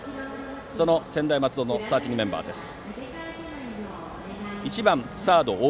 その専大松戸のスターティングメンバーです。